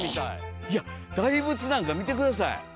いや大仏なんか見て下さい！